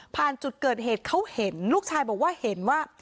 จุดเกิดเหตุเขาเห็นลูกชายบอกว่าเห็นว่า